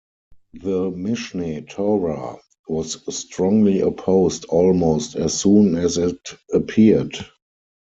The "Mishneh Torah" was strongly opposed almost as soon as it appeared.